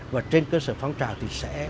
và trên cơ sở phong trào thì sẽ